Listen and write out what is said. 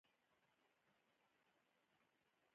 ښکلی کمپيوټر دی؛ د ګوتې د اېښول ځای نه لري.